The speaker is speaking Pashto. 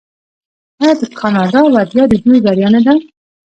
آیا د کاناډا بریا د دوی بریا نه ده؟